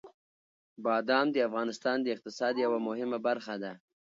بادام د افغانستان د اقتصاد یوه مهمه برخه ده.